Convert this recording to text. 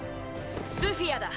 スフィアだ！